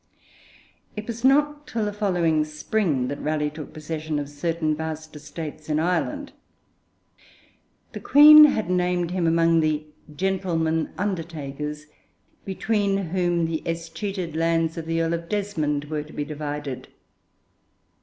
It was not till the following spring that Raleigh took possession of certain vast estates in Ireland. The Queen had named him among the 'gentlemen undertakers,' between whom the escheated lands of the Earl of Desmond were to be divided.